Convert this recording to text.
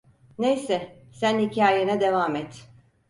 Neyse, sen hikayene devam et.